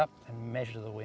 dan mengukur udara